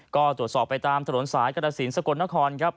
ก็ตรวจสอบไปตามตลอดสายกรสินต์สกนคร